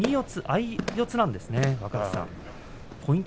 相四つなんですね。